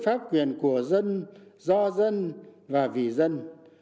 pháp quyền của dân do dân và vì dân